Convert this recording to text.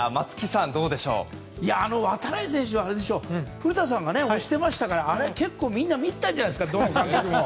度会選手は古田さんが推してましたからあれ結構見てたんじゃないですかどの監督も。